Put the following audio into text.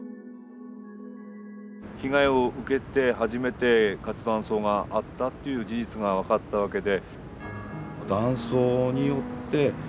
被害を受けて初めて活断層があったっていう事実が分かったわけで。